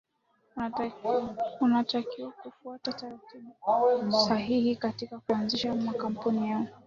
unatakiwa kufuata taratibu sahihi katika kuanzisha kampuni yako